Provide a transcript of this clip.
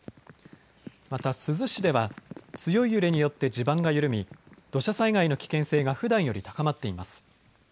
また珠洲市では強い揺れによって地盤が緩み土砂災害の危険性がふだんより高まっています。